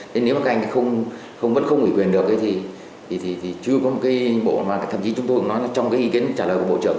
thế nếu mà các anh không vẫn không ủy quyền được thì chưa có một cái bộ mà thậm chí chúng tôi cũng nói là trong cái ý kiến trả lời của bộ trưởng